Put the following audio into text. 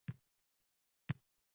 Ko’ngil ostonasin xlorlab yuving